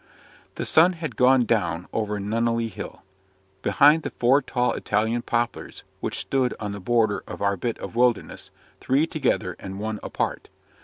The sun had gone down over Nunnely Hill, behind the four tall Italian poplars, which stood on the border of our bit of wilderness three together and one apart.